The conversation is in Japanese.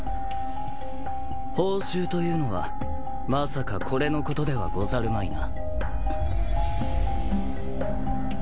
報酬というのはまさかこれのことではござるまいな。